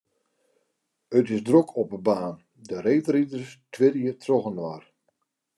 It is drok op 'e baan, de reedriders twirje trochinoar.